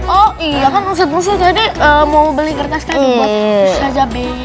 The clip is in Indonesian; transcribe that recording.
oh iya kan ustadz ustadz tadi mau beli kertas tadi buat ustadz ustadz b